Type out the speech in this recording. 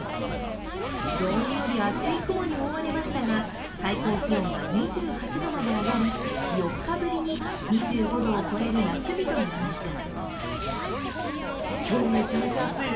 どんより厚い雲に覆われましたが、最高気温が２８度まで上がり、４日ぶりに２５度を超える夏日となりました。